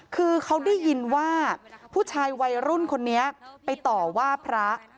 คือเขาได้ยินว่าผู้ชายวัยรุ่นคนนี้ไปต่อว่าพระ